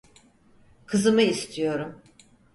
Kızımı istiyorum.